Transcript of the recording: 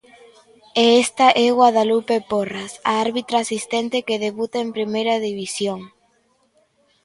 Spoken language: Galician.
E esta é Guadalupe Porras, a arbitra asistente que debuta en primeira división.